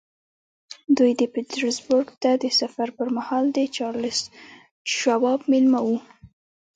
دوی پیټرزبورګ ته د سفر پر مهال د چارلیس شواب مېلمانه وو